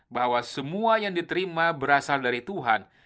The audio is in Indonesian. bahwa semua yang diterima berasal dari tuhan